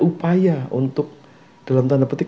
upaya untuk dalam tanda petik